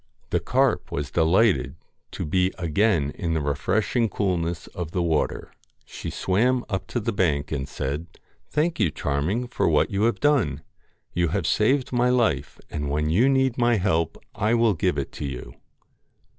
The carp was delighted to be again in the refresh ing coolness of the water. She swam up to the bank, and said ' Thank you, Charming, for what you have done. You have saved my life, and when you need my help I will give it you.'